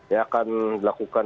yang akan dilakukan